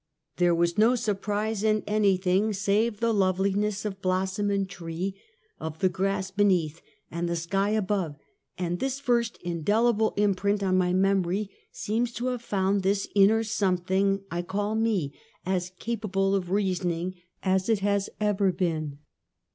a) 8 Half a Centuey. There was no surprise in anything save the loveli ness of blossom and tree; of the grass beneath and the sky above; and tliis first indelible imprint on my mem ory seems to have found this inner something I call me, as capable of reasoning as it has ever been.